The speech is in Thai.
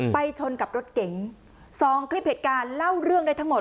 ชนกับรถเก๋งสองคลิปเหตุการณ์เล่าเรื่องได้ทั้งหมด